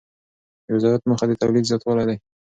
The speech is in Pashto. د وزارت موخه د تولید زیاتوالی دی.